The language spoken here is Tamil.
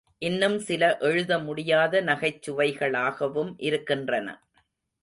இன்னும் சில எழுத முடியாத நகைச்சுவைகளாகவும் இருக்கின்றன.